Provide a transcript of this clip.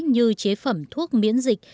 như chế phẩm thuốc miễn dịch